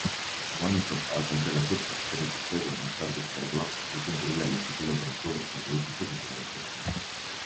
Kui valmistad aga selle supertervisliku segu ning tarbid seda regulaarselt, ei tundu üleliigsete kilode ning kõhurasvaga võitlemine sugugi väga keeruline.